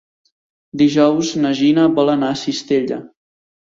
Dijous na Gina vol anar a Cistella.